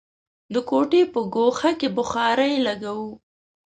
د کوټې په ګوښه کې بخارۍ لګوو.